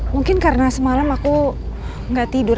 mungkin karena semalam aku nggak tidur